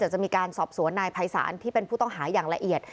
จะมีการสอบสวนนายภัยศาลที่เป็นผู้ต้องหาอย่างละเอียด